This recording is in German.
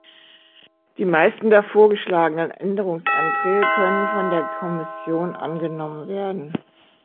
Die meisten der vorgeschlagenen Änderungsanträge können von der Kommission angenommen werden.